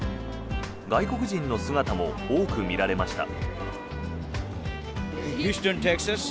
外国人の姿も多く見られました。